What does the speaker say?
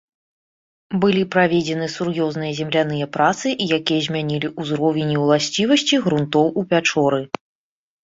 Былі праведзены сур'ёзныя земляныя працы, якія змянілі узровень і ўласцівасці грунтоў у пячоры.